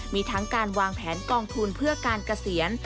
มีทั้งการวางแผนกองทุนเพื่อการเกษียณ